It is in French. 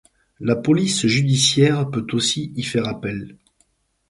La police judiciaire peut aussi y faire appel.